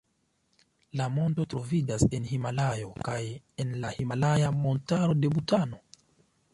La monto troviĝas en Himalajo kaj en la himalaja montaro de Butano.